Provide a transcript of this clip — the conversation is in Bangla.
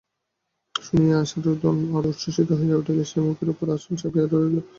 শুনিয়া আশার রোদন আরো উচ্ছ্বসিত হইয়া উঠিল–সে মুখের উপর আঁচল চাপিয়া ধরিল।